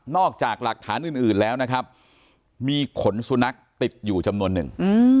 จากหลักฐานอื่นแล้วนะครับมีขนสุนัขติดอยู่จำนวนหนึ่ง